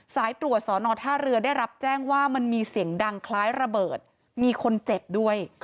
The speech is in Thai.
สายตรวจสอนอท่าเรือได้รับแจ้งว่ามันมีเสียงดังคล้ายระเบิดมีคนเจ็บด้วย